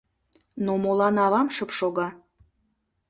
Но молан авам шып шога?